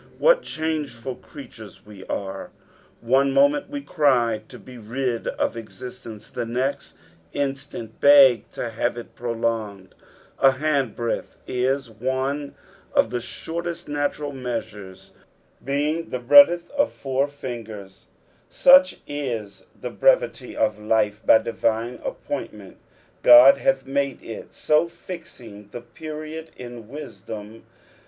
What changeful creatures we are I One moment we cry to be rid of existence, and the next instant beg to have it prolonged 1 A bandbreadtb is one of the shortest natural measures, being the breadth of four fingers ; such is the brevity of life, bv divine appointment ; ^d hath made it so, fixing the period in wisdom.